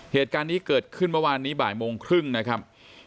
เหตุการณ์นี้เกิดขึ้นเมื่อวานนี้บ่ายโมงครึ่งนะครับ